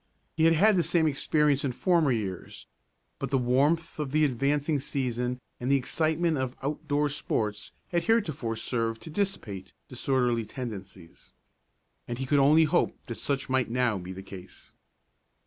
He had had the same experience in former years; but the warmth of the advancing season and the excitement of out door sports had heretofore served to dissipate disorderly tendencies, and he could only hope that such might now be the case.